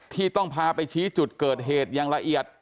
ที่ต้องพาไปชี้จุดเกิดเหตุอย่างละเอียด